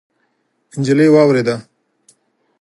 نجلۍ واورېده.